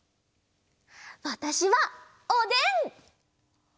わたしはおでん！